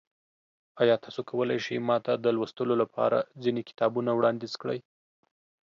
ایا تاسو کولی شئ ما ته د لوستلو لپاره ځینې کتابونه وړاندیز کړئ؟